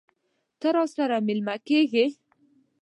تاسو راسره میلمه کیږئ؟